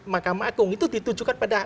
mahkamah agung itu ditujukan pada